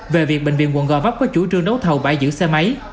về việc bệnh viện quận gò vấp có chủ trương đấu thầu bãi giữ xe máy